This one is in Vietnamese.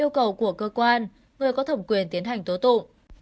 yêu cầu của cơ quan người có thẩm quyền tiến hành tố tụ